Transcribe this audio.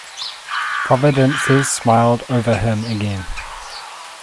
Providences smiled over him again.